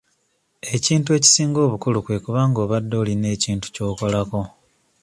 Ekintu ekisinga obukulu kwe kuba nga obadde olina ekintu ky'okolako.